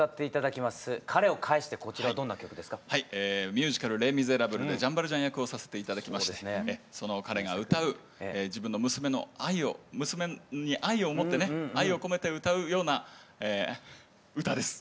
ミュージカル「レ・ミゼラブル」でジャン・バルジャン役をさせて頂きましてその彼が歌う自分の娘の愛を娘に愛を思ってね愛を込めて歌うようなえ歌です。